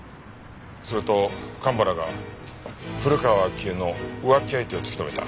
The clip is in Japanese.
それと蒲原が古河章江の浮気相手を突き止めた。